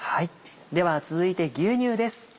では続いて牛乳です。